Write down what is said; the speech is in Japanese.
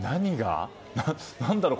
何だろう？